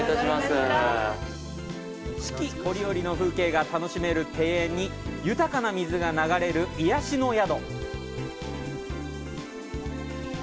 四季折々の風景が楽しめる庭園に豊かな水が流れる癒やしの宿。